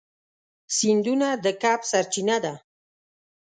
سیندونه د کب سرچینه ده.